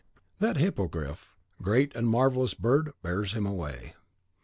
(That hippogriff, great and marvellous bird, bears him away.)